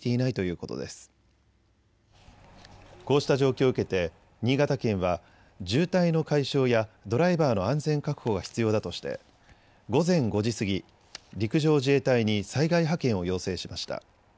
こうした状況を受けて新潟県は渋滞の解消やドライバーの安全確保が必要だとして午前５時過ぎ、陸上自衛隊に災害派遣を要請しました。